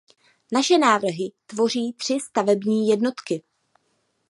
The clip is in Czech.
Naše návrhy tvoří tři stavební jednotky.